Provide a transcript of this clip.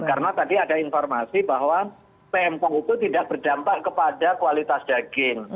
karena tadi ada informasi bahwa pmk itu tidak berdampak kepada kualitas daging